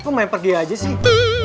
aku main pergi aja sih